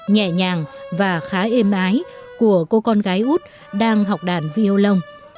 nhẹ nhàng và khá êm ái của cô con gái út đang học đàn viêu lông